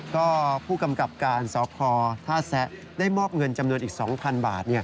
ก็ผู้กำกับการสพท่าแซะได้มอบเงินจำนวนอีก๒๐๐บาท